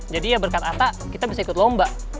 jadi ya berkat ata kita bisa ikut lomba